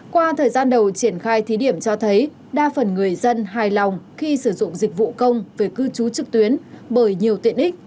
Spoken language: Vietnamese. qua thời gian đầu triển khai thí điểm cho thấy đa phần người dân hài lòng khi sử dụng dịch vụ công về cư trú trực tuyến bởi nhiều tiện ích